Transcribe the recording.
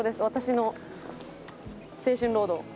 私の青春ロード。